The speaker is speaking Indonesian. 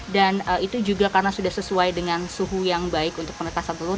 dan itu juga karena sudah sesuai dengan suhu yang baik untuk penetasan telur